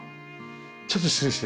ちょっと失礼して。